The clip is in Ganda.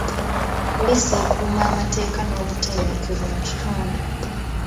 Poliisi ekuuma amateeka n'obutebenkevu mu kitundu.